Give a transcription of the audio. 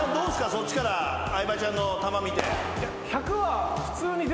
そっちから相葉ちゃんの球見て。